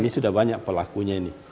dan ini sudah banyak pelakunya ini